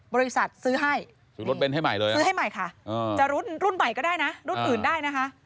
บริษัทซื้อให้ซื้อให้ใหม่ค่ะจะรุ่นใหม่ก็ได้นะรุ่นอื่นได้นะคะ